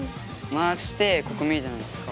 回してここ見るじゃないですか。